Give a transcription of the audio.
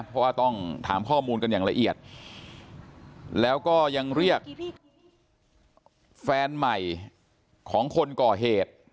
เพราะว่าต้องถามข้อมูลกันอย่างละเอียดแล้วก็ยังเรียกแฟนใหม่ของคนก่อเหตุ